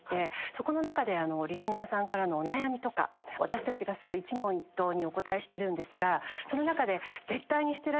そこの中でリスナーさんからのお悩みとか私たちがする一問一答にお答えしてるんですがその中で。